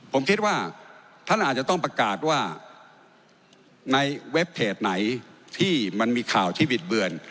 ผมคิดว่าท่านอาจจะต้องประกาศว่าในเว็บเพจไหนที่มันมีข่าวที่บิดเบือน